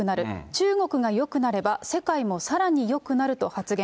中国がよくなれば世界もさらによくなると発言。